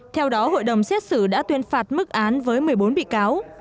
theo đó hội đồng xét xử đã tuyên phạt mức án với một mươi bốn bị cáo